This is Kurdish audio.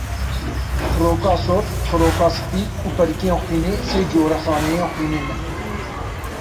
Xiroka sor, xiroka spî û perikên xwînê, sê corê xaneyên xwînê ne.